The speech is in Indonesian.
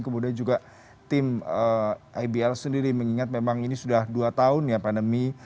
kemudian juga tim ibl sendiri mengingat memang ini sudah dua tahun ya pandemi